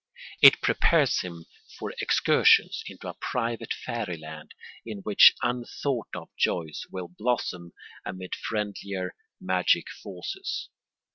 It prepares him for excursions into a private fairy land in which unthought of joys will blossom amid friendlier magic forces.